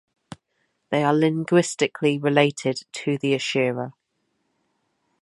They are linguistically related to the Eshira.